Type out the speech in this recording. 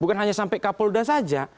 bukan hanya sampai kapolda saja